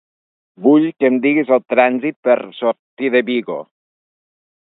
Vull que em diguis el trànsit per sortir de Vigo.